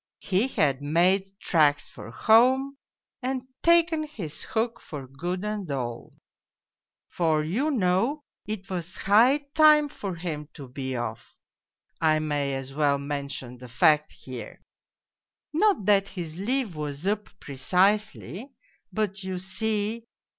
He had made tracks for home and taken his hook for good and all ; for you know it was jiigh time for him to be off I may as well mention the fact here; not that his leave was up precisely, but you see.